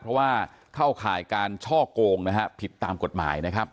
เพราะว่าเข้าข่ายการช่อกงนะฮะผิดตามกฎหมายนะครับ